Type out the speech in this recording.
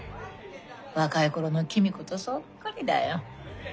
若い頃の公子とそっくりだよ。